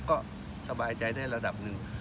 ก็สบายใจได้ระดับหนึ่ง